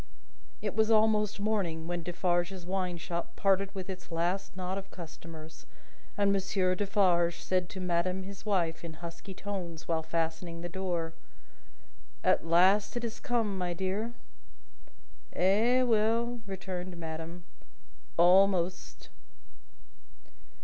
It was almost morning, when Defarge's wine shop parted with its last knot of customers, and Monsieur Defarge said to madame his wife, in husky tones, while fastening the door: "At last it is come, my dear!" "Eh well!" returned madame. "Almost."